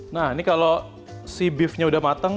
nah ini kalau si beef nya sudah matang